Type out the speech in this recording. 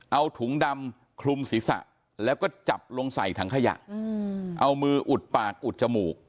เอาถุงดำคลุมศีรษะแล้วก็จับลงใส่ถังขยะเอามืออุดปากอุดจมูก